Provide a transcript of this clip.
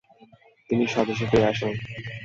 তিনি স্বদেশে ফিরে আসেন।